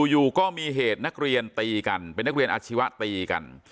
อยู่ก็มีเหตุนักเรียนตีกันเป็นนักเรียนอาชีวะตีกัน